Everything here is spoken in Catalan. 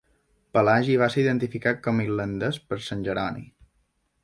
Pelagi va ser identificat com irlandès per sant Jeroni.